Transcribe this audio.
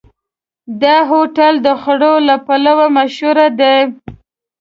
دا هوټل د خوړو له پلوه مشهور دی.